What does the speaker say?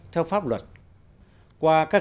theo pháp luật qua các